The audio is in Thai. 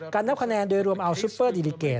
นับคะแนนโดยรวมเอาซุปเปอร์ดิลิเก